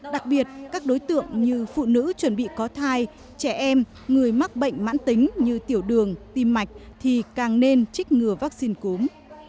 đặc biệt các đối tượng như phụ nữ chuẩn bị có thai trẻ em người mắc bệnh mãn tính như tiểu đường tim mạch thì càng nên trích ngừa vaccine cúm